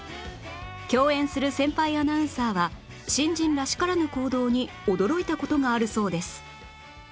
共演する先輩アナウンサーは新人らしからぬ行動に驚いた事があるそうです